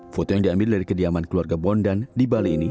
foto yang diambil dari kediaman keluarga bondan di bali ini